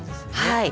はい。